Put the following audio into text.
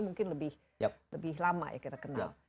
mungkin lebih lama ya kita kenal